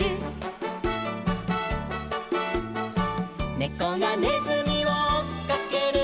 「ねこがねずみをおっかける」